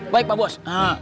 baik pak bos